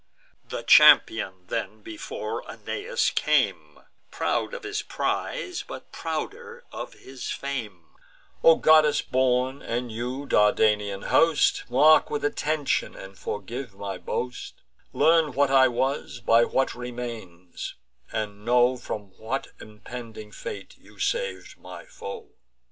The champion, then, before Aeneas came, Proud of his prize, but prouder of his fame: "O goddess born, and you, Dardanian host, Mark with attention, and forgive my boast; Learn what I was, by what remains; and know From what impending fate you sav'd my foe."